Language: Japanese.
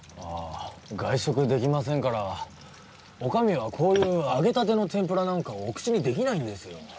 外食できませんからお上は揚げたての天ぷらなんかお口にできないんですよ